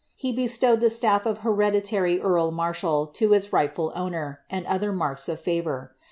He bestowed the staff of hereditary earl marshal to its rightful owner, and other marks of favour.